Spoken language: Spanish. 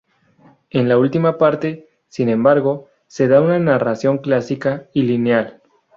En la última parte, sin embargo, se da una narración clásica y lineal.